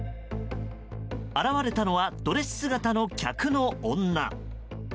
現れたのはドレス姿の客の女。